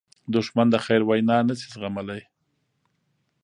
دښمن د خیر وینا نه شي زغملی